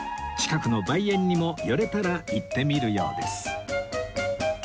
近くの梅園にも寄れたら行ってみるようです